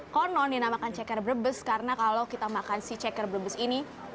konon dinamakan ceker brebes karena kalau kita makan si ceker brebes ini